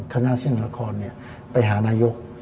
คณะแสดงลรานไปหานายก